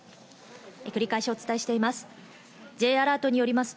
繰り返しお伝えしています。